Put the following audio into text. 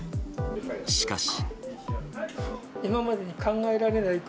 しかし。